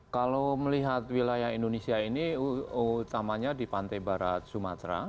kalau melihat wilayah indonesia ini utamanya di pantai barat sumatera